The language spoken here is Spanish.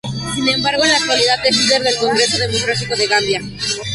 Sin embargo, en la actualidad es líder del Congreso Democrático de Gambia.